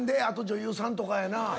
あと女優さんとかやな。